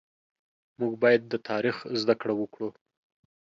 مونږ بايد د تاريخ زده کړه وکړو